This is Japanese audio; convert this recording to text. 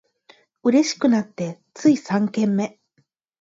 嬉しくなってつい三軒目